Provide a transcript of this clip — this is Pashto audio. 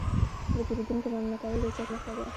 د پیرودونکي مننه کول د عزت نښه ده.